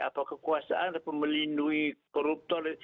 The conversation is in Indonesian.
apa kekuasaan apa melindungi koruptor